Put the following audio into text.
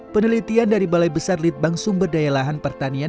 penelitian dari balai besar litbang sumberdaya lahan pertanian